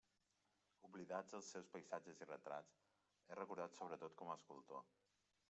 Oblidats els seus paisatges i retrats, és recordat sobretot com a escultor.